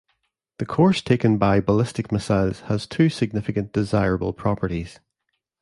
The course taken by ballistic missiles has two significant desirable properties.